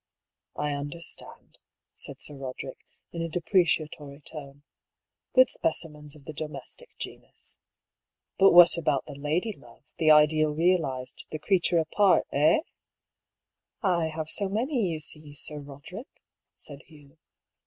" I understand," said Sir Roderick, in a depreciatory tone. " Good specimens of the domestic genus. But what about the lady love, the ideal realised, the creature apart — eh ?"" I have so many, you see, Sir Roderick," said Hugh.